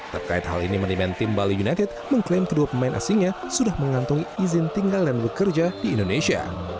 terkait hal ini manajemen tim bali united mengklaim kedua pemain asingnya sudah mengantungi izin tinggal dan bekerja di indonesia